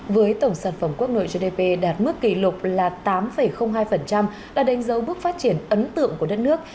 với tổng sản phẩm quốc nội gdp đạt mức kỷ lục là tám hai đã đánh dấu bước phát triển ấn tượng của đất nước